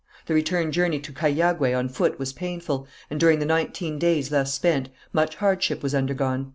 The return journey to Cahiagué on foot was painful, and during the nineteen days thus spent, much hardship was undergone.